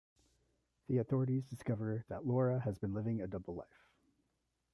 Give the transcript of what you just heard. The authorities discover that Laura has been living a double life.